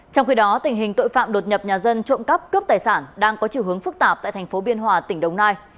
trong khi đó tình hình tội phạm đột nhập nhà dân trộm cắp cướp tài sản đang có chiều hướng phức tạp tại thành phố biên hòa tỉnh đồng nai